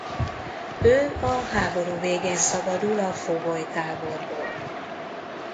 Ő a háború végén szabadul a fogolytáborból.